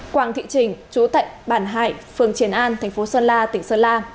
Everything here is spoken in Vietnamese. quảng thị trình chú tại bản hải phường triền an thành phố sơn la tỉnh sơn la